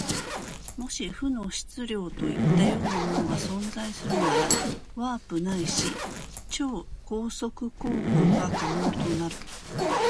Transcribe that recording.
もし負の質量といったようなものが存在するなら、ワープないし超光速航法が可能となる。